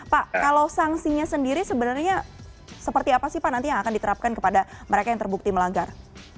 pak kalau sanksinya sendiri sebenarnya seperti apa sih pak nanti yang akan diterapkan kepada mereka yang terbukti melanggar